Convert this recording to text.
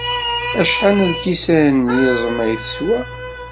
Acḥal n lkisan n yiẓem ay teswa?